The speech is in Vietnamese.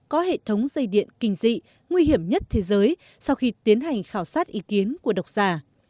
có hệ thống dây điện kình dị nguy hiểm nhất thế giới sau khi tiến hành khảo sát ý kiến của độc giả